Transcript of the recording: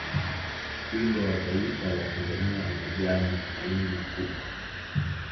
wimbo wa taifa la tanzania umejaa matumaini makubwa